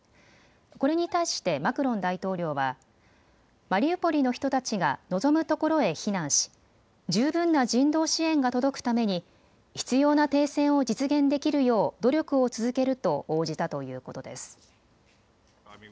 これに対してマクロン大統領はマリウポリの人たちが望むところへ避難し十分な人道支援が届くために必要な停戦を実現できるよう努力を続けると応じたということです。